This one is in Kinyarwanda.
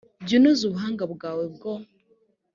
jya unoza ubuhanga bwawe bwo